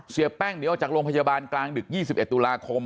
เสียแป้งหนีออกจากโรงพยาบาลกลางดึก๒๑ตุลาคม